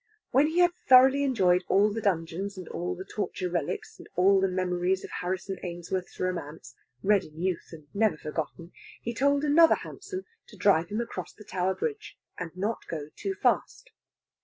When he had thoroughly enjoyed all the dungeons and all the torture relics, and all the memories of Harrison Ainsworth's romance, read in youth and never forgotten, he told another hansom to drive him across the Tower Bridge, and not go too fast.